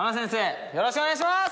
よろしくお願いします！